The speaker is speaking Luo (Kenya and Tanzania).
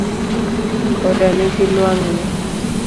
Kado nigi lwang'ni